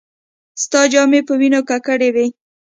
ستا جامې په وينو ککړې وې.